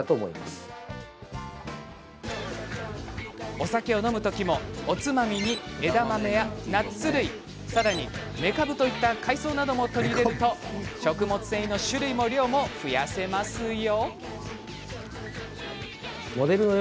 お酒を飲む時もおつまみに枝豆やナッツ類さらに、めかぶといった海藻などをとり入れると食物繊維の種類も量も増やせますよ。